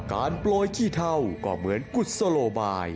โปรยขี้เท่าก็เหมือนกุศโลบาย